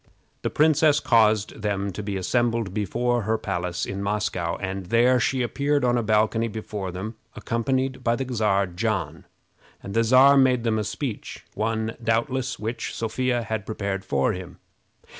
The princess caused them to be assembled before her palace in Moscow, and there she appeared on a balcony before them, accompanied by the Czar John; and the Czar made them a speech one, doubtless, which Sophia had prepared for him.